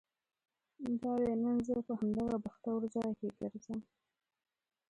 دادی نن زه په همدغه بختور ځای کې ګرځم.